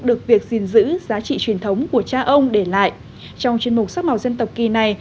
được việc gìn giữ giá trị truyền thống của cha ông để lại trong chuyên mục sắc màu dân tộc kỳ này